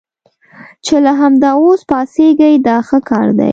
چې له همدا اوس پاڅېږئ دا ښه کار دی.